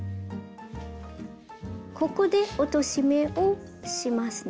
ここで落とし目をしますね。